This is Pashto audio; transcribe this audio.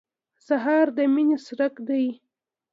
سهار د مینې څرک دی.